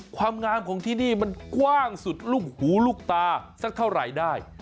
ความงามของที่นี่มันกว้างสุดลูกหูลูกตาสักเท่าไหร่ได้